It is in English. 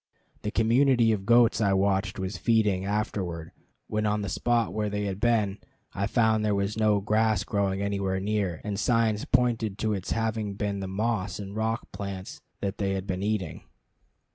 The community of goats I watched was feeding; afterward, when on the spot where they had been, I found there was no grass growing anywhere near, and signs pointed to its having been the moss and rock plants that they had been eating.